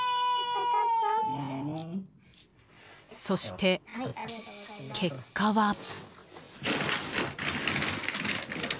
そして、結果は。